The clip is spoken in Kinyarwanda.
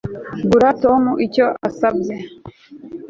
Guha Tom icyo asabye